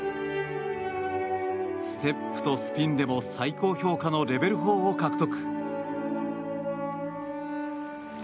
ステップとスピンでも最高評価のレベル４を獲得。